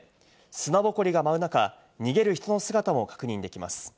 砂ぼこりが舞う中、逃げる人の姿も確認できます。